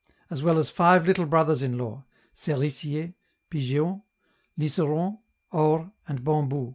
] as well as five little brothers in law: Cerisier, Pigeon, Liseron, Or, and Bambou.